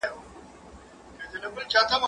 ته ولي موبایل کاروې،